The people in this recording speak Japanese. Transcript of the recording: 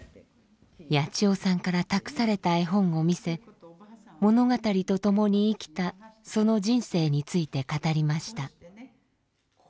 ヤチヨさんから託された絵本を見せ物語と共に生きたその人生について語りました。